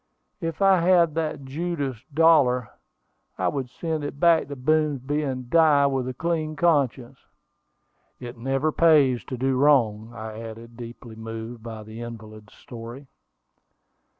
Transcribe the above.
If I had that Judas dollar, I would send it back to Boomsby, and die with a clean conscience." "It never pays to do wrong," I added, deeply moved by the invalid's story.